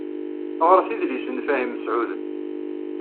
Ɣṛet idlisen n Fahim Mesɛuden.